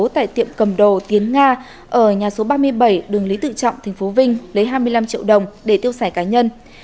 tại tiệm cầm đồ tiến nga ở nhà số ba mươi bảy đường lý tự trọng tp vinh lấy hai mươi năm triệu đồng để tiêu xài cá nhân